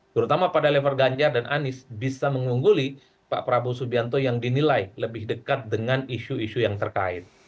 terutama pada level ganjar dan anies bisa mengungguli pak prabowo subianto yang dinilai lebih dekat dengan isu isu yang terkait